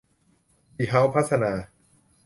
ดีเฮ้าส์พัฒนา